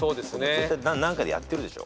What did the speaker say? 絶対何かでやってるでしょ。